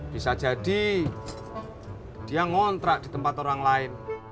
bisa jadi dia ngontrak di tempat orang lain